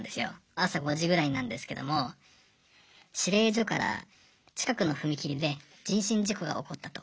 朝５時ぐらいなんですけども司令所から近くの踏切で人身事故が起こったと。